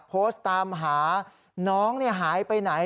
โพสต์ตามหาน้องหายไปไหน